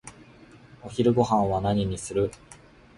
お昼ごはんは何にする？